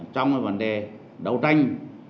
trong vấn đề đấu tranh